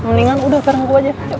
mendingan udah bareng gua aja